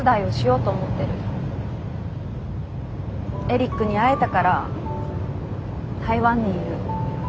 エリックに会えたから台湾にいる。